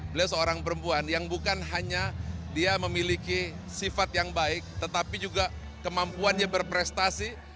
beliau seorang perempuan yang bukan hanya dia memiliki sifat yang baik tetapi juga kemampuannya berprestasi